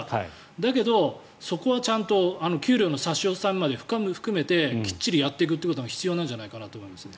だけどそこはちゃんと給料の差し押さえまで含めてきっちりやっていくことが必要ではと思います。